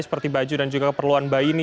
seperti baju dan juga keperluan bayi ini